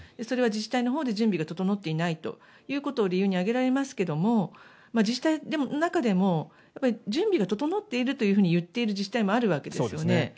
それは自治体のほうで準備が整っていないということを理由に挙げられますけど自治体の中でも準備が整っていると言っている自治体もあるわけですよね。